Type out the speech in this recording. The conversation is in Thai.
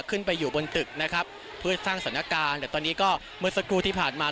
ขึ้นไปอยู่บนตึกนะครับเพื่อสร้างสถานการณ์แต่ตอนนี้ก็เมื่อสักครู่ที่ผ่านมา